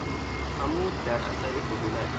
خمود در اثر کهولت